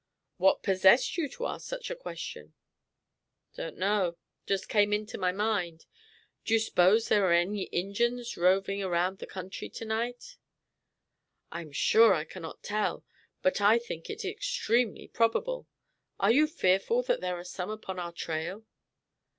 "What possessed you to ask such a question?" "Don't know; just come into my mind. Do you s'pose there are any Injins roving round the country to night?" "I am sure I cannot tell, but I think it extremely probable. Are you fearful that there are some upon our trail?"